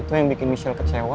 itu yang bikin michelle kecewa